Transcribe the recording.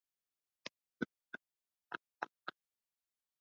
Dokta Hussein Ali Mwinyi alichaguliwa kuwa mgombea wa urais visiwani Zanzibar